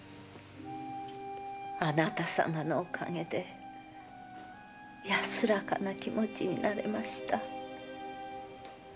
あなた様のお陰で安らかな気持ちになれました。